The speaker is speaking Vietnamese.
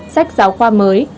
sách giáo khoa mới